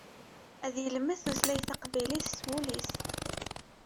Ad yelmed tutlayt taqbaylit s wul-is.